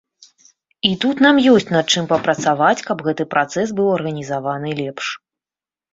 І тут нам ёсць, над чым папрацаваць, каб гэты працэс быў арганізаваны лепш.